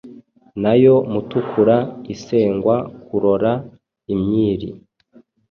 Nayo Mutukura isengwa kurora imyiri